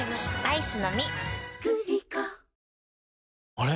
あれ？